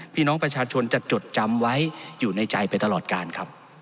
พี่น้องประชาชนจะจดจำไว้อยู่ในใจไปตลอดการครับ